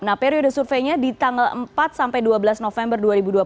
nah periode surveinya di tanggal empat sampai dua belas november dua ribu dua puluh